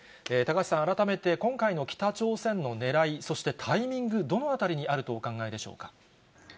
高橋さん、改めて、今回の北朝鮮のねらい、そして、タイミング、どのあたりにあるとお考えでしょうか。